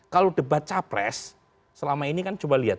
kalau debat capres selama ini kan coba lihat